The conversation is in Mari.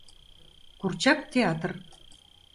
КУРЧАК ТЕАТР